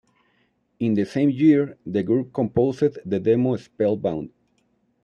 In the same year, the group composed the demo "Spellbound".